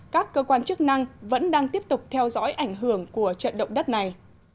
các cơ quan chức năng vẫn đang tiếp tục theo dõi ảnh hưởng của trận động đất này